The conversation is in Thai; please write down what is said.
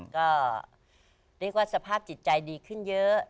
ก็เรียกว่าสภาพจิตใจดีขึ้นเยอะ